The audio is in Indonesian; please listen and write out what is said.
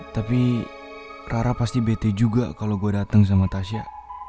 tapi rara pasti bete juga kalau gue datang sama tasya